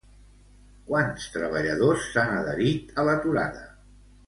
Quants treballadors s'han adherit a l'aturada?